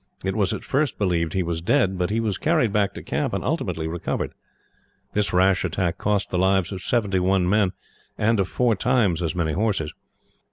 It was at first believed that he was dead, but he was carried back to camp, and ultimately recovered. This rash attack cost the lives of seventy one men, and of four times as many horses.